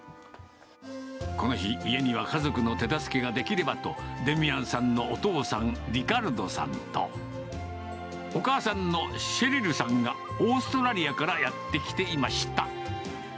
この日、家には家族の手助けができればと、デミアンさんのお父さん、リカルドさんと、お母さんのシェリルさんがオーストラリアからやって来ていました。